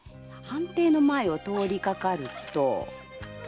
藩邸の前を通りかかると。